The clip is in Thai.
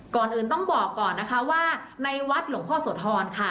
ก่อนอื่นต้องบอกก่อนนะคะว่าในวัดหลวงพ่อโสธรค่ะ